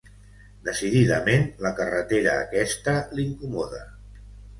Decididament la carretera aquesta l'incomoda.